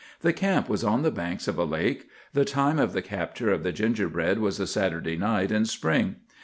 The camp was on the banks of a lake. The time of the capture of the gingerbread was a Saturday night in spring.